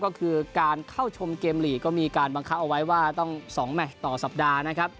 ก็คือการเข้าชมเกมลีกก็มีการบังคับเอาไว้ว่าต้อง๒แมชต่อสัปดาห์นะครับ